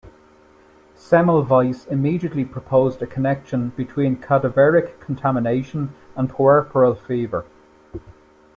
Semmelweis immediately proposed a connection between cadaveric contamination and puerperal fever.